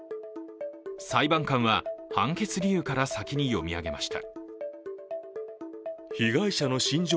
裁判官は判決理由から先に読み上げました。